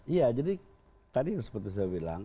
iya jadi tadi seperti saya bilang